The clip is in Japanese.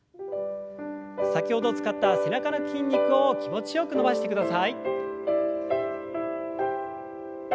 先ほど使った背中の筋肉を気持ちよく伸ばしてください。